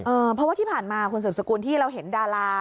เพราะว่าที่ผ่านมาคุณสืบสกุลที่เราเห็นดารา